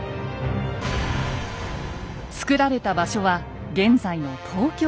つくられた場所は現在の東京・中野区。